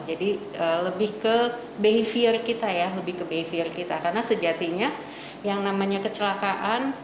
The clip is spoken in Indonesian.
jadi lebih ke behavior kita karena sejatinya yang namanya kecelakaan